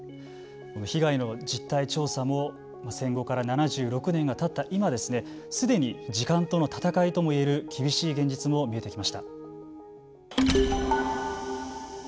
被害の実態調査も戦後から７６年がたった今すでに時間との戦いとも言える厳しい現実も見えてきました。